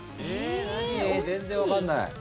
何、全然分かんない。